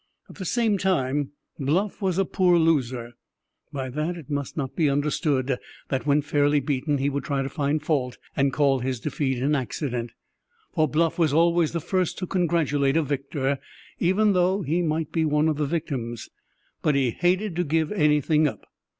At the same time, Bluff was a poor loser. By that it must not be understood that when fairly beaten he would try to find fault and call his defeat an accident, for Bluff was always the first to congratulate a victor, even though he might be one of the victims. But he hated to give anything up.